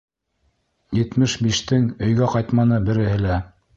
Етмеш биштең өйгә ҡайтманы береһе лә